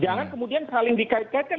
jangan kemudian saling dikait kaitkan